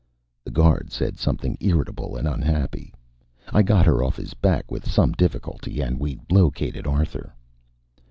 The guard said something irritable and unhappy. I got her off his back with some difficulty, and we located Arthur.